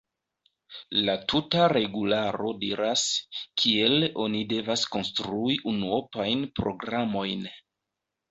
La tuta regularo diras, kiel oni devas konstrui unuopajn programojn.